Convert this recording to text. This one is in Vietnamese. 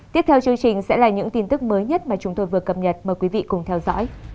tiếp theo chương trình sẽ là những tin tức mới nhất mà chúng tôi vừa cập nhật mời quý vị cùng theo dõi